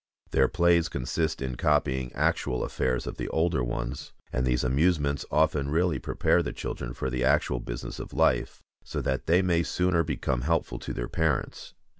Their plays consist in copying actual affairs of the older ones, and these amusements often really prepare the children for the actual business of life, so that they may sooner become helpful to their parents.